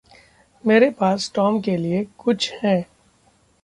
मेरे पास टॉम के लिये कुछ है।